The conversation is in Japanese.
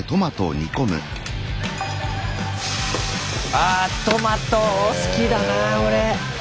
あトマト好きだな俺。